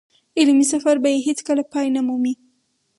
علمي سفر به يې هېڅ کله پای نه مومي.